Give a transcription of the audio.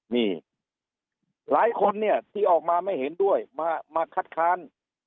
นี่หลายคนเนี่ยที่ออกมาไม่เห็นด้วยมาคัดค้าน